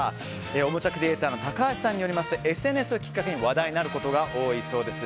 おもちゃクリエーターの高橋さんによりますとＳＮＳをきっかけに話題になることが多いそうです。